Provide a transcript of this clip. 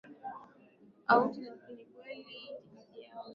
auti lakini kwa kweli itikadi yao na